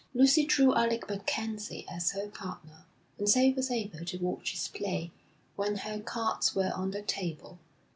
Lucy drew Alec MacKenzie as her partner, and so was able to watch his play when her cards were on the table.